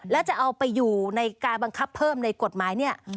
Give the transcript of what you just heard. แล้วจะเอาไปอยู่ในการบังคับเพิ่มในกฎหมายเนี่ย